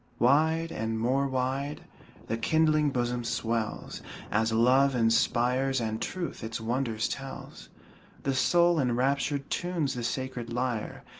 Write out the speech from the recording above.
Wide, and more wide, the kindling bosom swells, As love inspires, and truth its wonders tells. The soul enraptured tunes the sacred lyre.